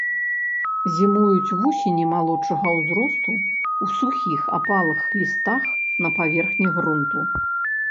Зімуюць вусені малодшага ўзросту ў сухіх апалых лістах на паверхні грунту.